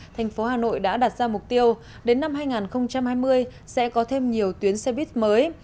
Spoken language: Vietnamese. thành phố hà nội đã đặt ra mục tiêu đến năm hai nghìn hai mươi sẽ có thêm nhiều tuyến xe buýt mới